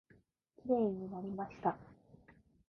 きれいになりました。